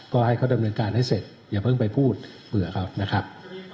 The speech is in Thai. ก็ให้เขาดำเนินการให้เสร็จอย่าเพิ่งไปพูดเผื่อเขานะครับ